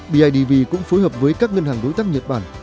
bidv cũng phối hợp với các ngân hàng đối tác nhật bản